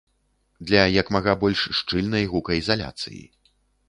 Для як мага больш шчыльнай гукаізаляцыі.